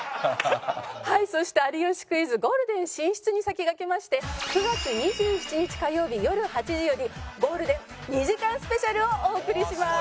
はいそして『有吉クイズ』ゴールデン進出に先駆けまして９月２７日火曜日よる８時よりゴールデン２時間スペシャルをお送りします。